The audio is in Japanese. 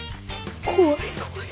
怖い怖い。